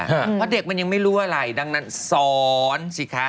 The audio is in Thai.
เพราะเด็กมันยังไม่รู้อะไรดังนั้นสอนสิคะ